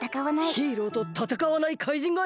ヒーローとたたかわない怪人がいたって。